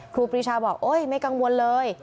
ครูปีชาบอกโอ๊ยไม่กังวลเลย